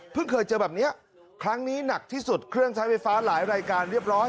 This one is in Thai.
เคยเจอแบบนี้ครั้งนี้หนักที่สุดเครื่องใช้ไฟฟ้าหลายรายการเรียบร้อย